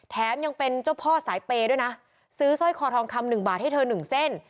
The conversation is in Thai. แถมยังเป็นเจ้าพ่อสายเปย์ด้วยนะซื้อสร้อยคอทองคำหนึ่งบาทให้เธอ๑เส้น